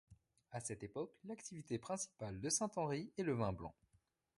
A cette époque, l’activité principale de Saint Henri est le vin blanc.